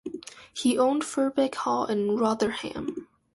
He owned Firbeck Hall in Rotherham.